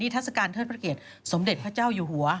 ทัศกาลเทิดพระเกียรติสมเด็จพระเจ้าอยู่หัว